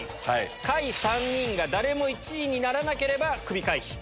下位３人が誰も１位にならなければクビ回避。